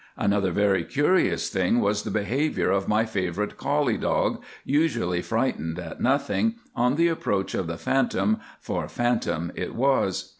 Another very curious thing was the behaviour of my favourite collie dog, usually frightened at nothing, on the approach of the phantom (for phantom it was).